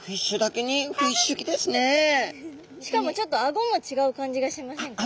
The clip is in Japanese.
しかもちょっとアゴも違う感じがしませんか？